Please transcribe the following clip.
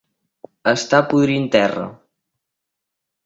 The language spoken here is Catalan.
Estar podrint terra.